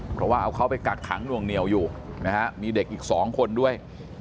เพราะว่าเอาเขาไปกักขังหน่วงเหนียวอยู่นะฮะมีเด็กอีก๒คนด้วย